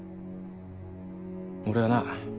俺はな